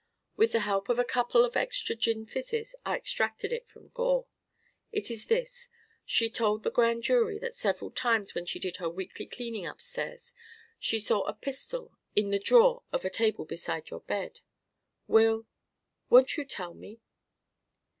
With the help of a couple of extra gin fizzes, I extracted it from Gore. It is this: she told the Grand Jury that several times when she did her weekly cleaning upstairs she saw a pistol in the drawer of a table beside your bed. Will won't you tell me?"